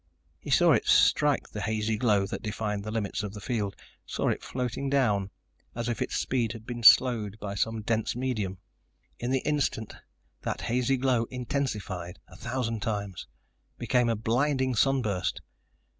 He saw it strike the hazy glow that defined the limits of the field, saw it floating down, as if its speed had been slowed by some dense medium. In the instant that hazy glow intensified a thousand times became a blinding sun burst!